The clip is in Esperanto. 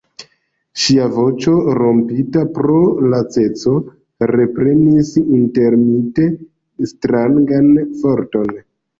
Ŝia voĉo, rompita pro laceco, reprenis intermite strangan forton.